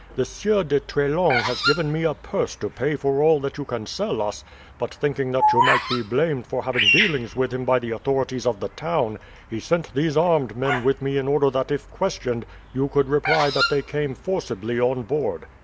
The Sieur de Treslong has given me a purse to pay for all that you can sell us, but thinking that you might be blamed for having dealings with him by the authorities of the town, he sent these armed men with me in order that if questioned you could reply that they came forcibly on board."